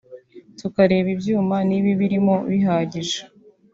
tukareba ibyuma niba ibirimo bihagije